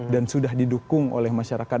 dan sudah didukung oleh masyarakat